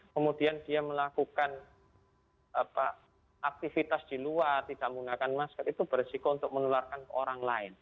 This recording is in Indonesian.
kemudian dia melakukan aktivitas di luar tidak menggunakan masker itu beresiko untuk menularkan ke orang lain